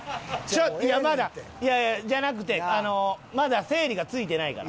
ちょっといやまだいやいやじゃなくてまだ整理がついてないから。